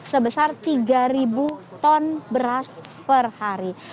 sebesar tiga ton beras per hari